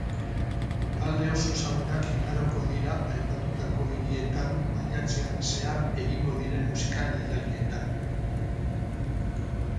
Talde oso ezagunak igaroko dira aipatutako hirietan maiatzean zehar egingo diren musika jaialdietan.